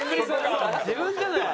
自分じゃない？